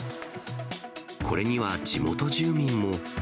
これには地元住民も。